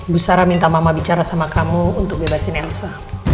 bu sarah minta mama bicara sama kamu untuk bebasin elsa